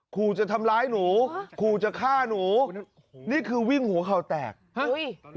ขู่จะทำร้ายหนูขู่จะฆ่าหนูนี่คือวิ่งหัวเข่าแตกฮะ